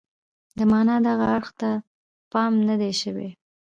د معنا دغه اړخ ته پام نه دی شوی.